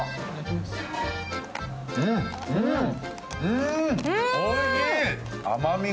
うーん、おいしい！